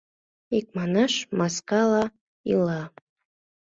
Икманаш, маскала ила.